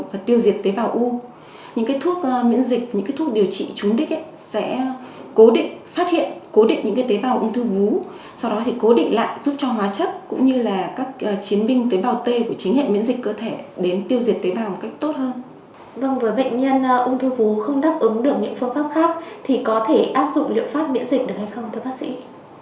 vâng và bệnh nhân ung thư vú không đáp ứng được những phương pháp khác thì có thể áp dụng liệu pháp miễn dịch được hay không thưa bác sĩ